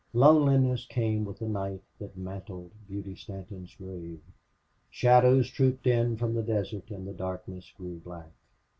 Loneliness came with the night that mantled Beauty Stanton's grave. Shadows trooped in from the desert and the darkness grew black.